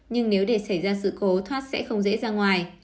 nhưng nếu để xảy ra sự cố thoát sẽ không dễ ra ngoài